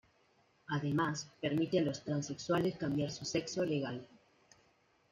Además permite a los transexuales cambiar su sexo legal.